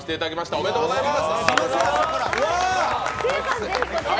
おめでとうございます！